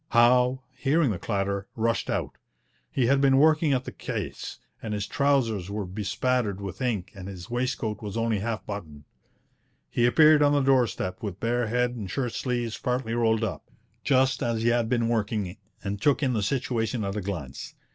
Howe, hearing the clatter, rushed out. He had been working at the case, and his trousers were bespattered with ink and his waistcoat was only half buttoned. He appeared on the doorstep with bare head and shirt sleeves partly rolled up, just as he had been working, and took in the situation at a glance.